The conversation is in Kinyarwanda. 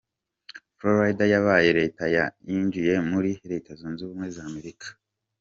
Florida yabaye leta ya yinjiye muri Leta zunze ubumwe za Amerika.